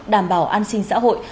đảm bảo an sinh xã hội